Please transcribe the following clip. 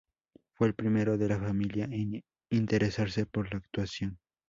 Fue el primero de la familia en interesarse por la actuación.